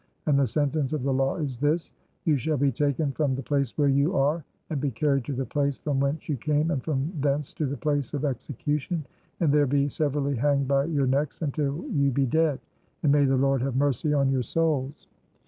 And the sentence of the law is this: You shall be taken from the place where you are and be carried to the place from whence you came and from thence to the place of execution and there be severally hanged by your necks until you be dead. And may the Lord have mercy on your souls!"